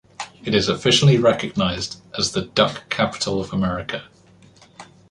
It is officially recognized as the Duck Capital of America.